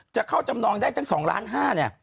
จะเข้าจำนองได้ถึงสองล้านห้าเนี่ย